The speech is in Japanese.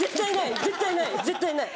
絶対ない絶対ない。